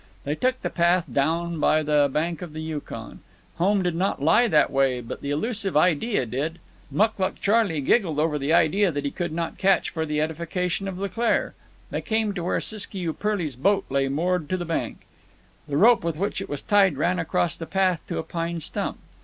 They took the path down by the bank of the Yukon. Home did not lie that way, but the elusive idea did. Mucluc Charley giggled over the idea that he could not catch for the edification of Leclaire. They came to where Siskiyou Pearly's boat lay moored to the bank. The rope with which it was tied ran across the path to a pine stump.